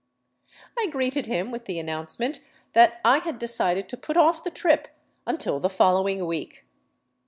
I greeted him with the announcement that I had decided to put off the trip until the following week.